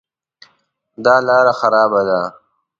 دا لاره خرابه ده